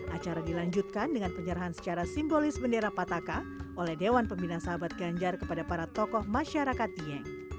acara dilanjutkan dengan penyerahan secara simbolis bendera pataka oleh dewan pembina sahabat ganjar kepada para tokoh masyarakat dieng